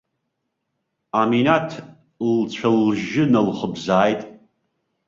Аминаҭ лцәа-лжьы налхыбзааит.